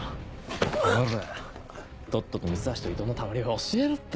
ほらとっとと三橋と伊藤のたまり場教えろって。